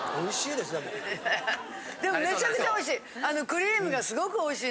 でもめちゃくちゃおいしい！